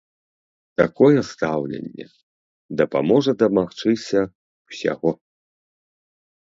Такое стаўленне дапаможа дамагчыся ўсяго!